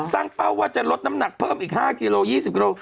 เป้าว่าจะลดน้ำหนักเพิ่มอีก๕กิโล๒๐กิโล